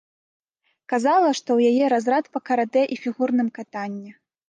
Казала, што ў яе разрад па каратэ і фігурным катанні.